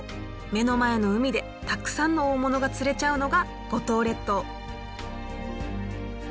目の前の海でたくさんの大物が釣れちゃうのが五島列島！